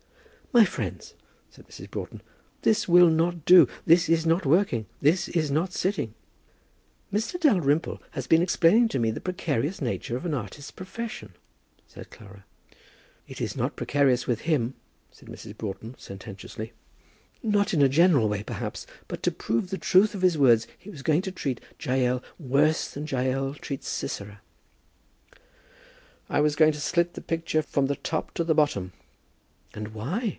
"My friends," said Mrs. Broughton, "this will not do. This is not working; this is not sitting." "Mr. Dalrymple has been explaining to me the precarious nature of an artist's profession," said Clara. "It is not precarious with him," said Mrs. Dobbs Broughton, sententiously. "Not in a general way, perhaps; but to prove the truth of his words he was going to treat Jael worse than Jael treats Sisera." "I was going to slit the picture from the top to the bottom." "And why?"